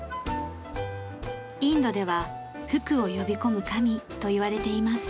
インドでは「福を呼び込む神」といわれています。